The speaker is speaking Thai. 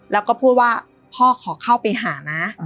แล้วก็พูดว่าพ่อขอเข้าไปหานะ